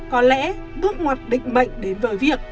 có lẽ bước ngoặt định mệnh đến với việc